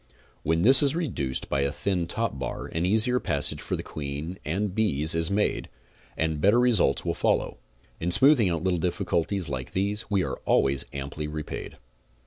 When this is reduced by a thin top bar an easier passage for the queen and bees is made, and better results will follow. In smoothing out little difficulties like these we are' always amply repaid.